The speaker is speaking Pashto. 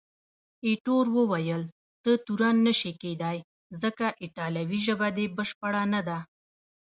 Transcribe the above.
ایټور وویل، ته تورن نه شې کېدای، ځکه ایټالوي ژبه دې بشپړه نه ده.